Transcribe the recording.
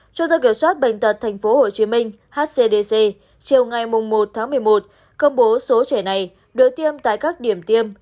trung tâm kiểm soát bệnh tật tp hcm hcdc chiều ngày một tháng một mươi một công bố số trẻ này được tiêm tại các điểm tiêm